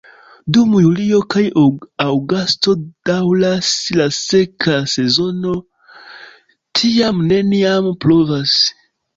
Dum julio kaj aŭgusto daŭras la seka sezono, tiam neniam pluvas.